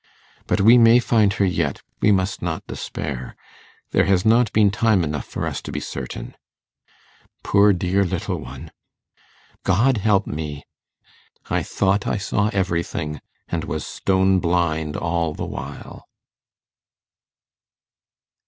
But we may find her yet; we must not despair: there has not been time enough for us to be certain. Poor dear little one! God help me! I thought I saw everything, and was stone blind all the while.